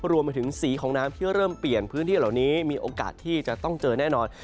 รวมไปถึงสีของน้ำที่เริ่มเปลี่ยนพื้นที่เหล่านี้มีโอกาสที่จะต้องเจอแน่นอน